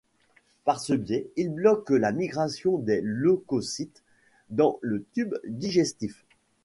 Par ce biais, il bloque la migration des leucocytes dans le tube digestif.